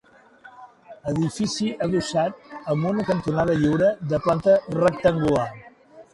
Edifici adossat amb una cantonada lliure, de planta rectangular.